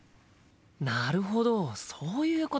なるほどそういうことか。